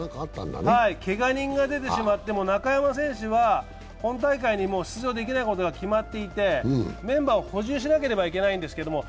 けが人が出てしまって中山選手は本大会にもう出場できないことが決まっていてメンバーを補充しなければいけないんですけども。